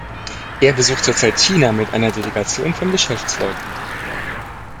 Er besucht zur Zeit China mit einer Delegation von Geschäftsleuten.